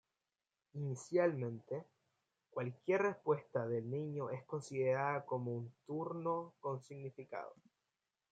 Inicialmente, cualquier respuesta del niño es considerada como un turno con significado.